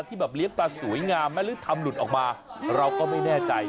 แบบเลี้ยงปลาสวยงามไหมหรือทำหลุดออกมาเราก็ไม่แน่ใจ